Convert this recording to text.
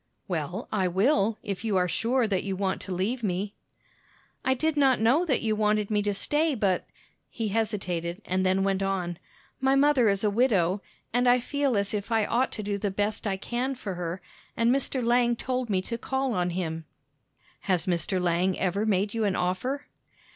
"Well, I will, if you are sure that you want to leave me." "I did not know that you wanted me to stay, but" he hesitated, and then went on "my mother is a widow, and I feel as if I ought to do the best I can for her, and Mr. Lang told me to call on him." "Has Mr. Lang ever made you an offer?"